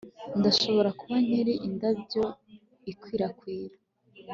Ndashobora kuba nkiri indabyo ikwirakwira